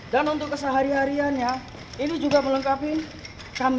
dan untuk kesehari hariannya ini juga melengkapi kami